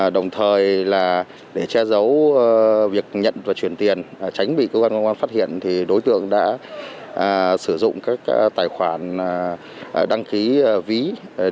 đồng thời là để che giấu việc nhận và chuyển tiền tránh bị cơ quan công an phát hiện thì đối tượng đã sử dụng các tài khoản đăng ký ví điện tử như là tài khoản viettel pay liên kết với ngân hàng mb